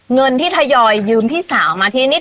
เงินที่ทยอยยืมพี่สาวมาที่นี่